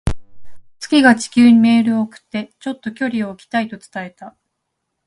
月が地球にメールを送って、「ちょっと距離を置きたい」と伝えた。